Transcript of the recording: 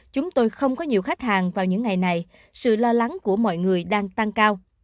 chúng tôi không có nhiều khách hàng vào những ngày này sự lo lắng của mọi người đang tăng cao